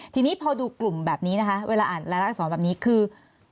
ทีนี้พอดูกลุ่มแบบนี้นะคะเวลาอ่านรายละอักษรแบบนี้คือ